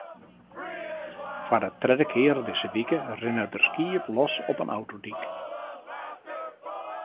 Foar de tredde kear dizze wike rinne der skiep los op in autodyk.